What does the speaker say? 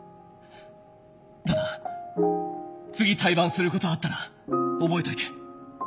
ただ次対バンすることあったら覚えといて。